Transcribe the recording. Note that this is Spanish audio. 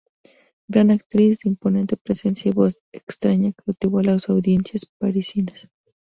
Gran actriz, de imponente presencia y voz extraña cautivó a las audiencias parisinas.